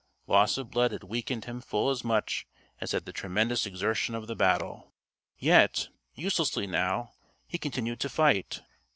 Loss of blood had weakened him full as much as had the tremendous exertion of the battle. Yet uselessly now he continued to fight.